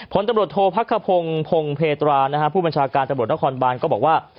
ผลตำรวจโทษพักขพงศ์พงเพตรานะฮะผู้บัญชาการตำรวจนครบานก็บอกว่า